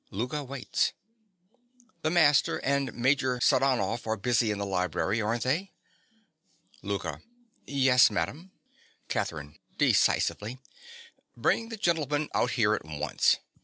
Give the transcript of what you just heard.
Louka waits._) The master and Major Saranoff are busy in the library, aren't they? LOUKA. Yes, madam. CATHERINE. (decisively). Bring the gentleman out here at once.